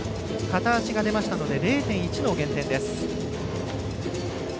片足が出ましたので０．１の減点。